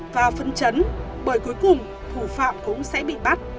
và phấn chấn bởi cuối cùng thủ phạm cũng sẽ bị bắt